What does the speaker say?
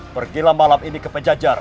pergilah malam ini ke penjajar